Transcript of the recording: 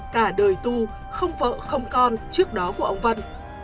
cả đời tu không vợ không con trước đó của ông vân